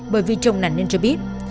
bởi vì trông nạn nhân cho biết